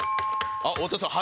あっ太田さん。